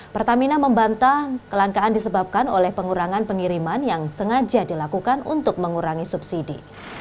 pertamina membantah kelangkaan disebabkan oleh pengurangan pengiriman yang sengaja dilakukan untuk mengurangi subsidi